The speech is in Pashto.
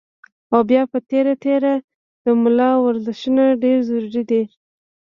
او بيا پۀ تېره تېره د ملا ورزشونه ډېر ضروري دي